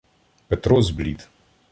Петро зблід.